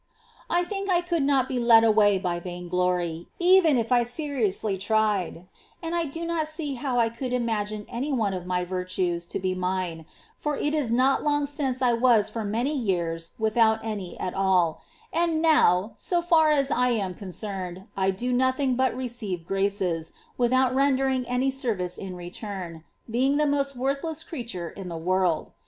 15. I think I could not be led away by vain glory, even if I seriously tried, and I do not see how T could imagine any one of my virtues to be mine, for it is not long since I was for many years without any at all ; and now, so far as I am concerned, I do nothing but receive graces, without render ing any service in return, being the most worthless creature in the world.